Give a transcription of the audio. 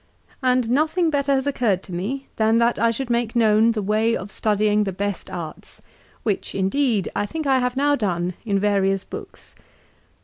And nothing better has occurred to me than that I should make known the way of studying the best arts, which indeed I think I have now done in various books."